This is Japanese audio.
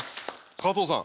加藤さん